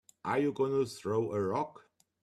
Are you gonna throw a rock?